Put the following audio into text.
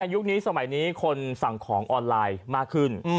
ยุคนี้สมัยนี้คนสั่งของออนไลน์มากขึ้น